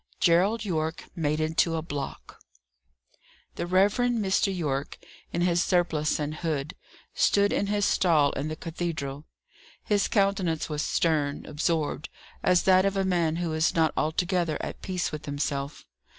GERALD YORKE MADE INTO A "BLOCK." The Rev. Mr. Yorke, in his surplice and hood, stood in his stall in the cathedral. His countenance was stern, absorbed; as that of a man who is not altogether at peace with himself.